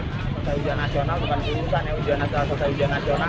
ujian nasional bukan urusan ya ujian asal asal ujian nasional